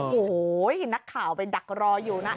โอ้โหนักข่าวไปดักรออยู่นะ